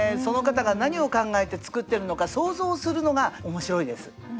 その方が何を考えて作ってるのか想像するのが面白いです。